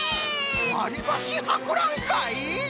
わりばしはくらんかい！？